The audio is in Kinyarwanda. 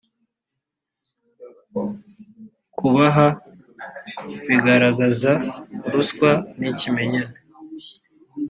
kubaha bigaragaza ruswa ni ikimenyane